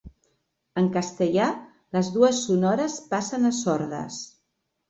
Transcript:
En castellà, les dues sonores passen a sordes.